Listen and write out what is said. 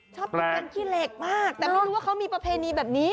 ต้องการขี้เหล็กมากแต่ไม่รู้ว่าเขามีประเพณีแบบนี้